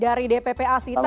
dari dppa sita